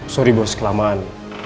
sorry bos kelamaan